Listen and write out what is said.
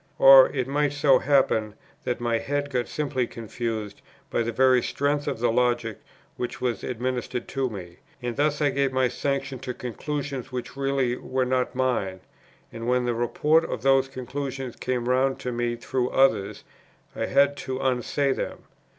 Or it might so happen that my head got simply confused, by the very strength of the logic which was administered to me, and thus I gave my sanction to conclusions which really were not mine; and when the report of those conclusions came round to me through others, I had to unsay them.